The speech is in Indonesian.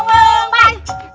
ya di mana